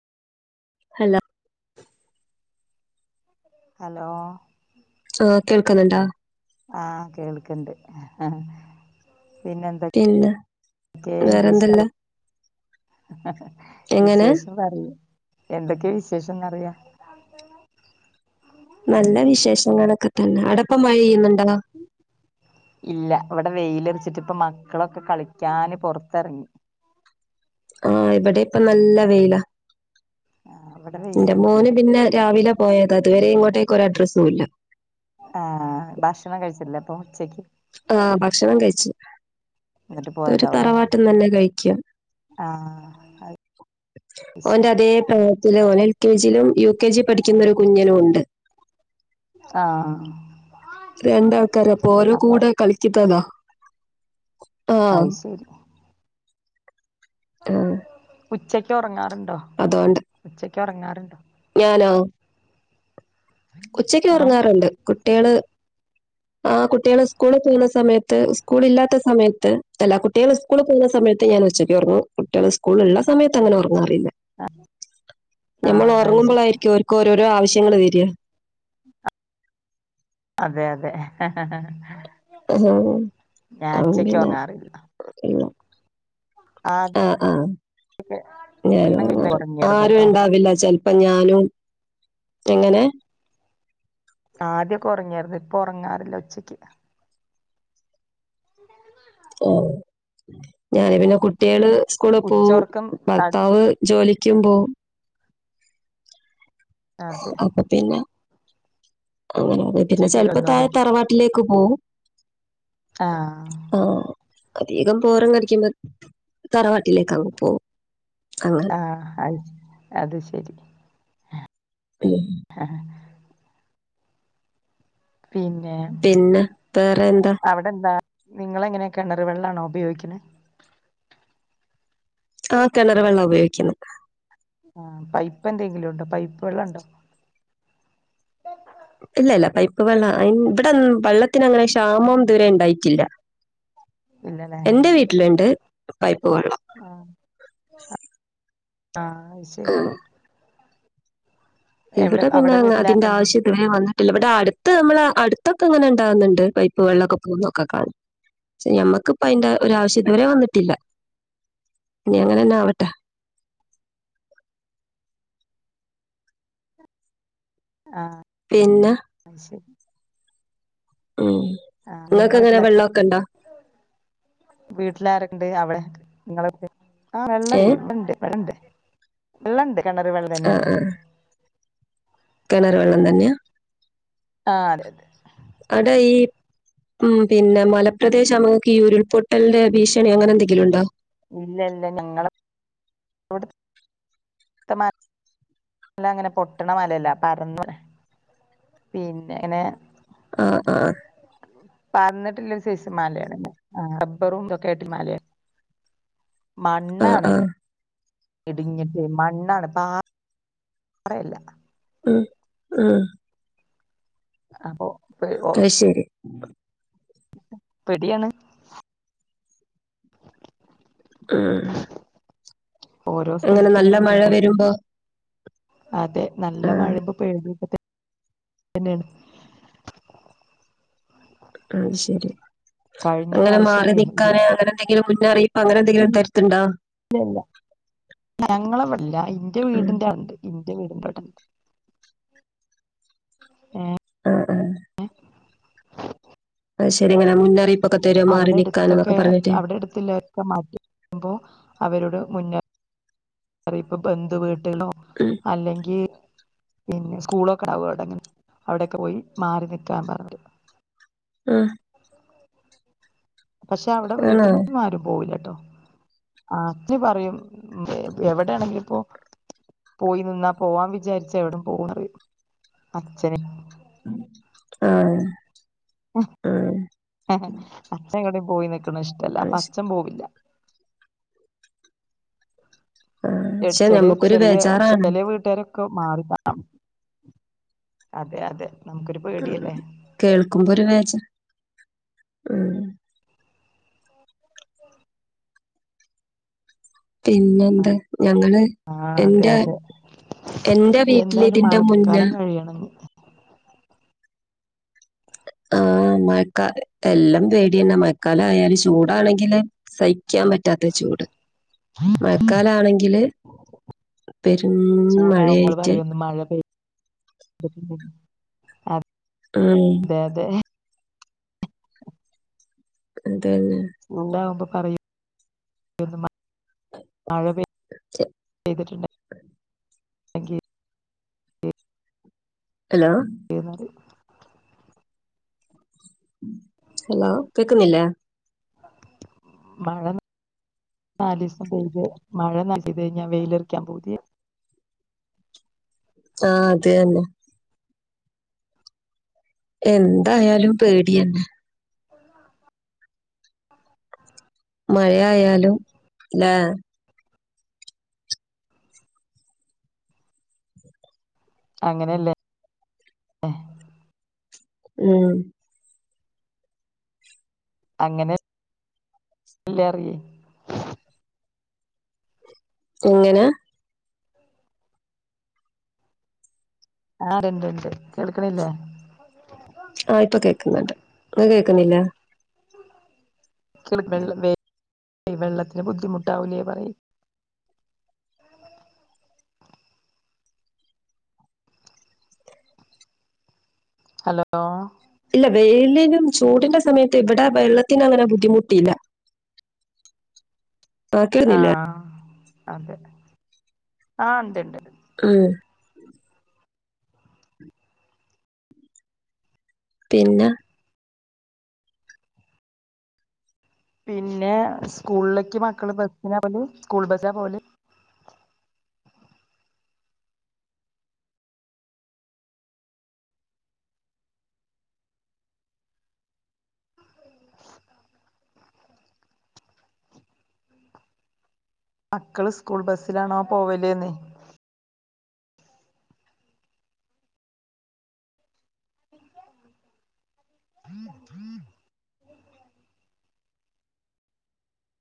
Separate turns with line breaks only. Hello
hello
ആ കേൾക്കുന്നുണ്ടോ
ആ കേൾക്കണ്ട്
പിന്നെ
എന്തൊക്കെ
വേറെ
വിശ
എന്തെല്ലാം? എങ്ങനെ
വിശേഷം പറയ് എന്തൊക്കെയാ വിശേഷംന്ന്റിയ-
നല്ല വിശേഷങ്ങളൊക്കെ തന്നെ അടപ്പം മഴെയ്യുന്നുണ്ടോ?
ഇല്ല ഇവിടെ വെയിലറിച്ചിട്ട്പ്പ മക്കളൊക്കെ കളിക്കാന് പുറത്തിറങ്ങി-
ആഹ് ഇവിടെ ഇപ്പം നല്ല വെയില.
ആഹ് ഇവിടെ
എന്റെ മോന്
വെയിലറിക്ക്ണ്ട്
പിന്നെ രാവിലെ പോയത് അതുവരെ ഇങ്ങോട്ടേക്ക് ഒരു അഡ്രസ്സും ഇല്ല.
ആഹ് ഭക്ഷണം കഴിച്ചില്ലേ അപ്പൊ ഉച്ചക്ക്?
ആഹ് ഭക്ഷണം കഴിച്ചു.
എന്നിട്ട്
ഇത് ഒരു
പോയതാവൂല്ലേ
തറവാട്ട് തന്നെ കഴിക്ക
ആഹ് അത്
ഓന്റെ
ശരി
അതേ ഓന് എൽ കെ ജിയിലും യു കെ ജി പഠിക്കുന്ന ഒരു കുഞ്ഞനും ഉണ്ട്.
ആഹ്
രണ്ടാൾക്കാര് അപ്പൊ ഓരോ കൂടെ കളിക്കത്തതാ
അയ്ശരി-
ആഹ്-
ഉച്ചയ്ക്ക് ഉറങ്ങാറുണ്ടോ?
അതുകൊണ്ട്-
ഉച്ചക്ക് ഉറങ്ങാറുണ്ടോ?
ഞാനോ ഉച്ചക്ക്
ഉം
ഉറങ്ങാറുണ്ട് കുട്ടികള് ആഹ് കുട്ടികൾ സ്കൂളിൽ പോകുന്ന സമയത്ത് ഉസ്കൂള് ഇല്ലാത്ത സമയത്ത് എല്ലാ കുട്ടികളും- ഉസ്കൂള് പോവുന്ന സമയത്ത് ഞാൻ ഉച്ചക്ക് ഒറങ്ങും കുട്ടികൾ സ്കൂള് ഉള്ള സമയത്ത് അങ്ങനെ ഉറങ്ങാറ് ഇല്ല-
ആഹ് ആഹ് അയ്ശരി.
എടക്ക് ഓൽക്കാരോരോ ആവശ്യങ്ങള് വരിക-
അതെ അതെ
ആഹ്
ഞാൻ
അപ്പം
ഉച്ചക്ക്
പിന്നെ
ഒറങ്ങാറില്ല
ഇല്ല- ആഹ് ആഹ് ഞാന്
ആഹ്
ആരും
ഒറങ്ങിയാരുന്നുട്ടോ
ഇണ്ടാവില്ല ച ഞാനും എങ്ങനെ-
ആദ്യൊക്കെ ഉറങ്ങിയായിരുന്നു ഇപ്പൊ ഉറങ്ങാറില്ല ഉച്ചയ്ക്ക്.
ഞാന് പിന്നെ കുട്ടികള് സ്കൂളിൽ പോവും
ഉച്ചോർക്കം ത
ഭർത്താവ് ജോലിക്കുമ്പോവും-
അതെ-
അപ്പൊ പിന്നെ അങ്ങനെയ പിന്നെ
ഉച്ചക്ക്
ചെലപ്പോ തഴെ
കടന്നുറങ്ങും
തറവാട്ടിലേക്ക് പോവും.
ആഹ്
ആഹ് അധികം ബോറടിക്കുമ്പോ തറവാട്ടിലേക്ക് അങ്ങ് പോകും ആഹ്
ആഹ് അ അത്ശരി.
[unintelligible]
ആഹ്- പിന്നെ
പിന്നെ വേറെ എന്താ?
അവിടെന്താ നിങ്ങള് എങ്ങനെയാ കിണർ വെള്ളാണോ ഉപയോഗിക്കുന്നത്?
ആഹ് കിണറ് വെള്ളം ഉപയോഗിക്കുന്ന-
ആഹ് പൈപ്പ് എന്തെങ്കിലും ഉണ്ടോ പൈപ്പ് വെള്ളം ഉണ്ടോ?
ഇല്ലല്ല പൈപ്പ് വെള്ളം ഇവിടെ വെള്ളത്തിനങ്ങനെ ക്ഷാമവും ഇത് വരെ ഉണ്ടായിട്ടില്ല.
ഇല്ലല്ലേ
എന്റെ വീട്ടിലുണ്ട് പൈപ്പ് വെള്ളം.
ആഹ് ആഹ് അത്ശരി. എവിടെ
ഇവിടെ പിന്നെ
അവിടെ
അതിന്റെ
വീട്ടിലാർക്കെണ്ട്
ആവശ്യ ഇവ വന്നിട്ടില്ല ഇവിടെ അടുത്ത് നമ്മള് അടുത്തൊക്കെ ഇങ്ങനെ ഉണ്ടാവകുന്നുണ്ട് പൈപ്പ് വെള്ളൊക്കെ പോകുന്നൊക്കെ കാണും. പക്ഷെ ഞമ്മക്ക്പ്പ അതിന്റെ ഒരു ആവശ്യം ഇതുവരെ വന്നിട്ടില്ല ഇനി അങ്ങനെന്നെ ആവട്ടെ
ആഹ്-
പിന്നെ
അയ്ശേരി
ഉം ങ്ങക്ക്ങ്ങനാ വെള്ളക്കണ്ടോ
വീട്ടിലാരണ്ട് അവിടെ നിങ്ങള ആഹ്
ഏ
വെള്ളണ്ട് വെള്ളണ്ട് വെള്ളണ്ട് കിണർ വെള്ള
ആഹ് ആഹ് കിണർ വെള്ളം തന്നെയാ
ആഹ് അതെ അതെ
അടെ ഈ ഉം പിന്നെ മലപ്രദേശം ആവുമ്പ ഇങ്ങക്ക് ഈ ഉരുൾപൊട്ടലിന്റെ ഭീഷണി അങ്ങനെ എന്തെങ്കിലും ഉണ്ടോ
ഇല്ല ഇല്ല ഞങ്ങള് [inaudible] അല്ല അങ്ങനെ പൊട്ടണ മലല്ല പരന്ന പിന്നെ ഇങ്ങനെ
ആഹ് ആഹ്
പരന്നിട്ട്ള്ള ഒരു സെസ്സ് മാലയാണ് റബ്ബറു ഇതൊക്കെ ആയിട്ട് മാലയാണ്
ആഹ്
മണ്ണാണ്
ആഹ്
ഇടിഞ്ഞിട്ട് മണ്ണാണ് പാറയല്ല
ഉം ഉം
അപ്പോ
അഹ് ശരി
പെടിയാണ്
ഉം
ഓരോ
അങ്ങനെ
സ്ഥലത്ത
നല്ല
ഇങ്ങനെ
മഴ
ഉരുൾപൊട്ട
വരുമ്പോ
അതെ നല്ല
ആഹ്
മഴ് [unintelligible]
അയ്ശരി
കഴിഞ്ഞ
അങ്ങനെ മാറി
പ്രാവശ്യൊക്കെ ഒരു
നിൽക്കാനെ അങ്ങനെ എന്തെങ്കിലും മുന്നറിയിപ്പ് അങ്ങനെ എന്തെങ്കിലും തരത്തിണ്ടോ
ഇല്ലല്ല ഞങ്ങളെവിടില്ല ഇന്റെ
ഉം
വീടിന്റെ അവണ്ട് ഇന്റെ വീട്ന്റെ അവിടെ ഏഹ്
ആഹ് ആഹ് അത് ശെരിങ്ങനെ മുന്നറിയിപ്പൊക്കെ തരോ മാറി നിൽക്കാന് എന്നൊക്കെ പറഞ്ഞിട്ട്
എട്ത്തല്ല മാറ്റക്കുമ്പോ അവരുടെ മുന്നറിയിപ്പ് ബന്ധുവീട്ടുലിനോ
ഉം
അല്ലെങ്കിൽ പിന്നെ സ്കൂളൊക്കെടാവും അവിടെങ്ങനെ അവിടെയൊക്കെ പോയി മാറി നിക്കാൻ പറിം
ഉം
പക്ഷെ അവിടെ
ആണോ
വീട്ടിലെന്നും ആരും പോവൂലട്ടോ അൻസി പറയും എവിടെയാണെങ്കിലിപ്പോ പോയി നിന്നാ പോവാൻ വിചാരിച്ച എവിട പോവും പറിം അച്ഛനെ
ആഹ് ആഹ്
അച്ഛൻ എവടെയും പോയി നിക്കണ ഇഷ്ടല്ല
അത്
അപ്പൊ
ശ
അച്ഛൻ പോവില്ല
ആഹ് പക്ഷെ
ചെല
ഞമ്മക്കൊരു
ചെറിയ
ബേജാറാണ്
ചെല വീട്ടുകാര മാറാം അതെ അതെ നമുക്കൊരു പേടിയല്ലേ
കേൾക്കുമ്പോ ഒരു വേജ ഉം പിന്നെന്താ ഞങ്ങള്
ആഹ് അതെ
എന്റെ
അതെ
എന്റെ വീട്ടിൽ ഇതിന്റെ മുന്നേ
കയ്യണെന്ന്
ആഹ് മഴക്കാ എല്ലാം പേടിയന്ന മഴക്കാലായാല് ചൂടാണെങ്കില് സഹിക്കാൻ പറ്റാത്ത ചൂട് മഴക്കാലാണെങ്കില് പെരും
ചൂടാവുമ്പോൾ
മഴയായിട്ട്
[unintelligible] ആത്
ആം
അതെ അതെ
അതന്നെ
ഉണ്ടാവുമ്പൊ പറയൂ [unintelligible] മഴ പെയ്തിട്ടുണ്ട്
ഹലോ
പെര്ന്നാക്കോയ്
ഹലോ കേക്കുന്നില്ലേ
മഴ നാല്സം പെയ്ത് മഴ നാല് പെയ്ത് കഴിഞ്ഞാ വെയിലറിക്കാൻ പൂതി
ആ അത് തന്നെ എന്തായാലും പേടിയന്നെ മഴയാലും ലേ
അങ്ങനെയല്ലേ
ഉം
അങ്ങനെ ല്ലറി
എങ്ങനെ
ആ ണ്ട് ണ്ട് കേൾക്കണില്ലേ
ആ ഇപ്പൊ കേൾക്കുന്നുണ്ട് ങ്ങക്ക് കേക്കുന്നില്ലെ
വെ വെള്ളം വേ വെള്ളത്തിന് ബുദ്ധിമുട്ടാവില്ലേ പറയ്ന് ഹലോ
ഇല്ല വെയിലിനും ചൂടിന്റെ സമയത്ത് ഇവിടെ വെള്ളത്തിനഅങ്ങനെ ബുദ്ധിമുട്ടില്ല
ആ അതെ ആ ണ്ട് ണ്ട്
ഉം പിന്നെ
പിന്നെ സ്കൂള്ലേക്ക് മക്കള് ബസ്സിനാ പോല് സ്കൂൾ ബസാ പോല് [inaudible] മക്കള് സ്കൂൾ ബസ്സിലാണോ പോവല് ന്ന്